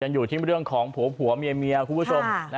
อยู่ที่เรื่องของผัวเมียคุณผู้ชม